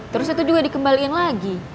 terus itu juga dikembalikan lagi